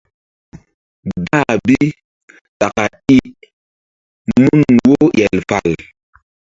Dah bi ɗaka i I mun wo el fal.